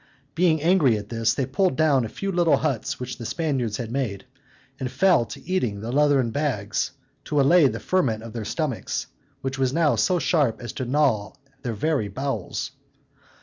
Being angry at this, they pulled down a few little huts which the Spaniards had made, and fell to eating the leathern bags, to allay the ferment of their stomachs, which was now so sharp as to gnaw their very bowels.